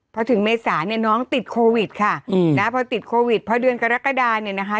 พอถึงเมษาเนี่ยน้องติดโควิดค่ะนะพอติดโควิดพอเดือนกรกฎาเนี่ยนะคะ